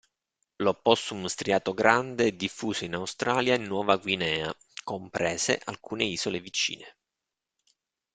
L'opossum striato grande è diffuso in Australia e Nuova Guinea, comprese alcune isole vicine.